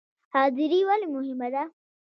حاضري ولې مهمه ده؟